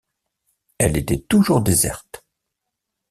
Elle était toujours déserte.